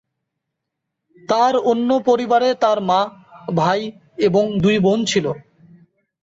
তার অন্য পরিবারে তার মা, ভাই এবং দুই বোন ছিল।